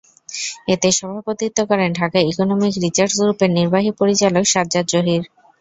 এতে সভাপতিত্ব করেন ঢাকা ইকোনমিক রিসার্চ গ্রুপের নির্বাহী পরিচালক সাজ্জাদ জহির।